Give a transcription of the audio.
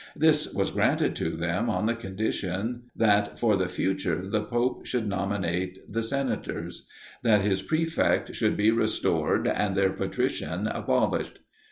This was granted to them on the conditions, that for the future the pope should nominate the senators; that his Prefect should be restored and their Patrician abolished.